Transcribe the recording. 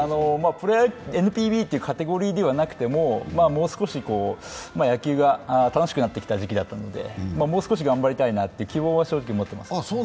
ＭＰＢというカテゴリーではなくてももう少し野球が楽しくなってきた時期だったので、もう少し頑張りたいなという希望は持ってます。